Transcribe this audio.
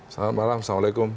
selamat malam assalamualaikum